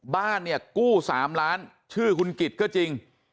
บ้านเนี่ยกู้๓ล้านชื่อคุณกิจก็จริง